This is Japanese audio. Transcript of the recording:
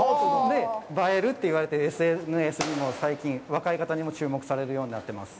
映えると言われて、ＳＮＳにも最近、若い方にも注目されるようになっています。